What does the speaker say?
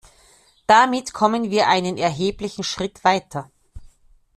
Damit kommen wir einen erheblichen Schritt weiter.